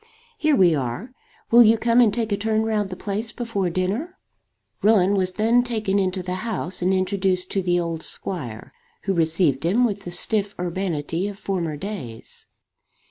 Here we are. Will you come and take a turn round the place before dinner?" Rowan was then taken into the house and introduced to the old squire, who received him with the stiff urbanity of former days.